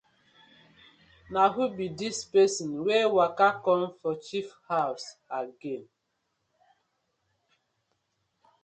Na who bi dis pesin wey waka com for chief haws again.